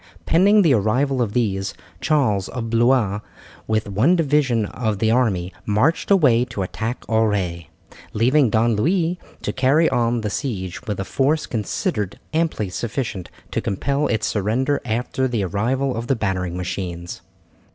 Pending the arrival of these, Charles of Blois, with one division of the army, marched away to attack Auray, leaving Don Louis to carry on the siege with a force considered amply sufficient to compel its surrender after the arrival of the battering machines.